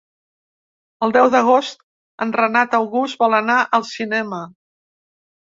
El deu d'agost en Renat August vol anar al cinema.